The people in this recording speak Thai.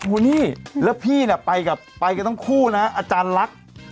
โอ้โหนี่แล้วพี่เนี่ยไปกันทั้งคู่นะอาจารย์ลักษณ์